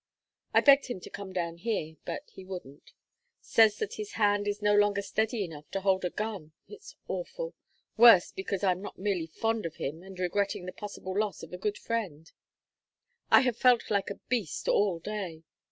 I begged him to come down here, but he wouldn't says that his hand is no longer steady enough to hold a gun it's awful! worse because I'm not merely fond of him and regretting the possible loss of a good friend I have felt like a beast all day.